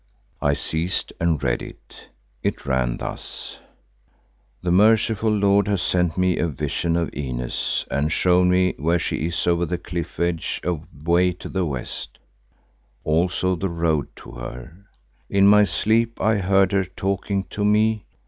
I seized and read it. It ran thus: "The merciful Lord has sent me a vision of Inez and shown me where she is over the cliff edge away to the west, also the road to her. In my sleep I heard her talking to me.